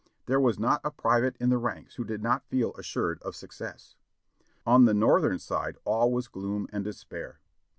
There was not a private in the ranks who did not feel assured of success. On the Northern side all was gloom and despair.